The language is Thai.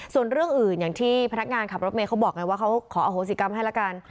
ส่วนเรื่องอื่นอย่างที่พนักงานขับรถเมย์เขาบอกไงว่าเขาขออโหสิกรรมให้ละกัน